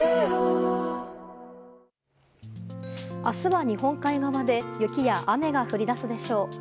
明日は日本海側で雪や雨が降り出すでしょう。